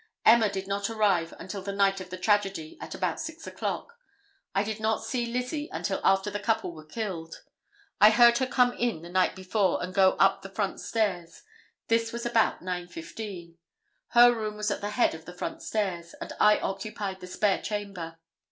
Emma did not arrive until the night of the tragedy at about 6 o'clock. I did not see Lizzie until after the couple were killed. I heard her come in the night before and go up the front stairs. This was about 9:15. Her room was at the head of the front stairs, and I occupied the spare chamber.